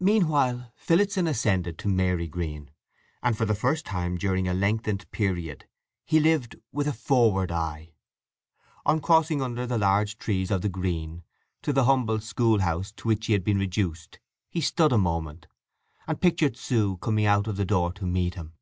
Meanwhile Phillotson ascended to Marygreen, and for the first time during a lengthened period he lived with a forward eye. On crossing under the large trees of the green to the humble schoolhouse to which he had been reduced he stood a moment, and pictured Sue coming out of the door to meet him.